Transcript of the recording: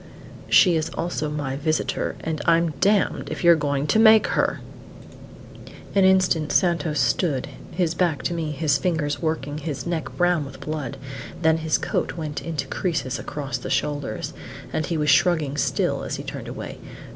"She is also my visitor, and I'm damned if you're going to make her!" An instant Santos stood, his back to me, his fingers working, his neck brown with blood; then his coat went into creases across the shoulders, and he was shrugging still as he turned away.